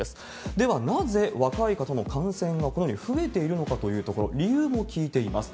では、なぜ若い方の感染がこのように増えているのかというところ、理由も聞いています。